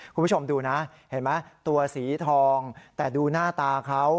คุณผู้ชมดูนะเห็นไหมตัวสีทองแต่ดูหน้าตาเขา